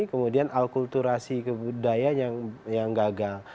kemudian alkulturasi kebudayaan yang gagal